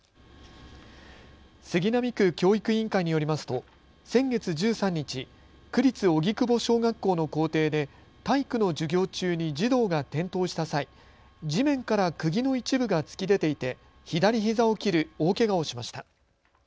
杉並区教育委員会によりますと先月１３日、区立荻窪小学校の校庭で体育の授業中に児童が転倒した際、地面からくぎの一部が突き出ていて左ひざを切る大けがをしました。